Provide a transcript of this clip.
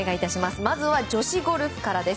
まずは女子ゴルフからです。